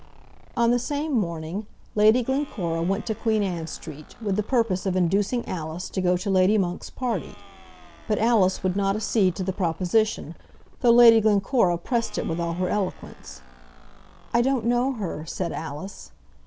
On the same morning Lady Glencora went to Queen Anne Street with the purpose of inducing Alice to go to Lady Monk's party; but Alice would not accede to the proposition, though Lady Glencora pressed it with all her eloquence. "I don't know her," said Alice.